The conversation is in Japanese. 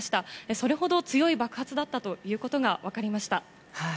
それほど強い爆発だったということが分かりました。